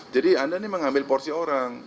jadi anda ini mengambil porsi orang